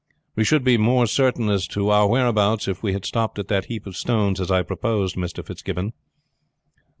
"We should be more certain as to our whereabouts if we had stopped at that heap of stones as I proposed, Mr. Fitzgibbon."